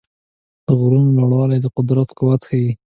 د غرونو لوړوالي د قدرت قوت ښيي.